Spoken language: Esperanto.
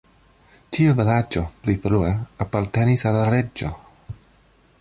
Tiu vilaĝo pli frue apartenis al la reĝo.